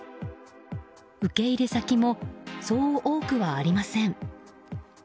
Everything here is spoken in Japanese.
受け入れ先もそう多くはありません。